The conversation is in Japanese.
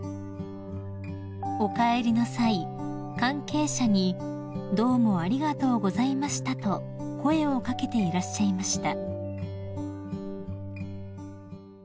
［お帰りの際関係者に「どうもありがとうございました」と声を掛けていらっしゃいました］